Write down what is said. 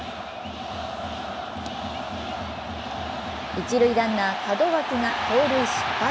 一塁ランナー・門脇が盗塁失敗。